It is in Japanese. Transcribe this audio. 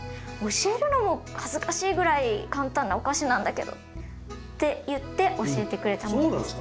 教えるのも恥ずかしいぐらい簡単なお菓子なんだけど」って言って教えてくれたものです。